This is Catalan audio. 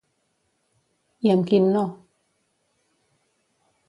I amb quin no?